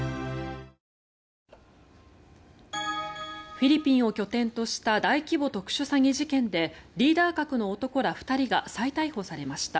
フィリピンを拠点とした大規模特殊詐欺事件でリーダー格の男ら２人が再逮捕されました。